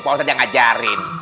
pak ustad yang ngajarin